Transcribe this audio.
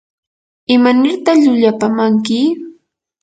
¿imanirta llullapamanki?